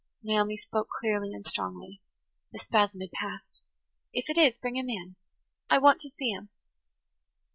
Naomi spoke clearly and strongly. The spasm had passed. "If it is, bring him in. I want to see him."